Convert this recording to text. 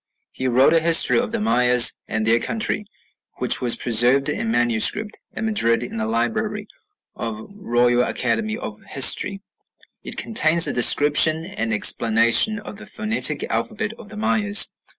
He wrote a history of the Mayas and their country, which was preserved in manuscript at Madrid in the library of the Royal Academy of History.... It contains a description and explanation of the phonetic alphabet of the Mayas.